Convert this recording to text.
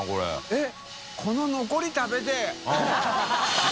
えっ。